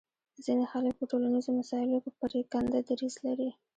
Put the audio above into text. ځینې خلک په ټولنیزو مسایلو کې پرېکنده دریځ لري